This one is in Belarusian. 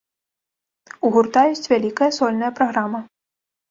У гурта ёсць вялікая сольная праграма.